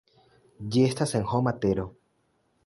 Ĝi estas senhoma tero.